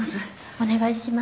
お願いします。